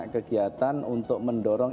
kegiatan untuk mendorong